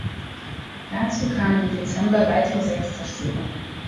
Dazu kamen im Dezember weitere sechs Zerstörer.